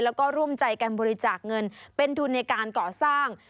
แล้วก็ร่วมใจกันบริจาคเงินเป็นทุนในการก่อสร้าง